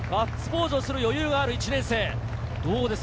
ガッツポーズをする余裕がある１年生、どうですか？